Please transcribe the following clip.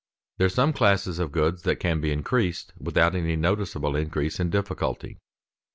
_There are some classes of goods that can be increased without any noticeable increase in difficulty.